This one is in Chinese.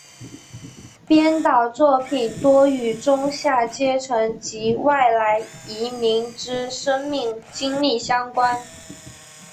编导作品多与中下阶层及外来移民之生命经历相关。